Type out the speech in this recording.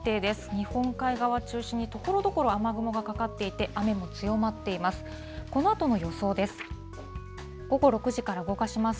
日本海側中心にところどころ雨雲がかかっていて、雨も強まっています。